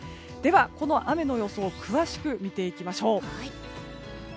この雨の予想、詳しく見ていきましょう。